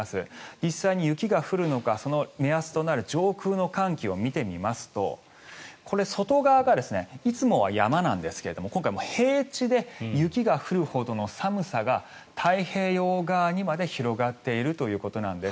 実際に雪が降るのかその目安となる上空の寒気を見てみますとこれ外側がいつもは山なんですが今回平地で雪が降るほどの寒さが太平洋側にまで広がっているということなんです。